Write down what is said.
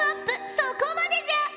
そこまでじゃ！